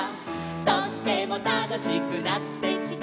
「とってもたのしくなってきた」